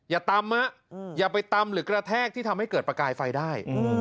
อย่าตำอย่าไปตำหรือกระแทกที่ทำให้เกิดประกายไฟได้